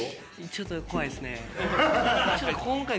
ちょっと怖いですね。